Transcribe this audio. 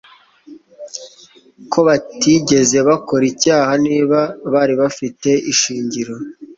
ko batigeze bakora icyaha Niba bari bafite ishingiro